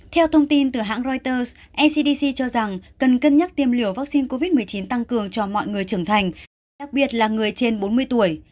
theo thông tin từ hãng reuters ncdc cho rằng cần cân nhắc tiêm liều vaccine covid một mươi chín tăng cường cho mọi người trưởng thành đặc biệt là người trên bốn mươi tuổi